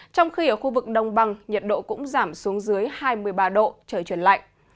trong khi ở khu vực đông bằng nhiệt độ cũng giảm xuống dưới hai mươi ba độ trời chuyển lạnh